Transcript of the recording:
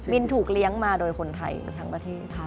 ถูกเลี้ยงมาโดยคนไทยทั้งประเทศค่ะ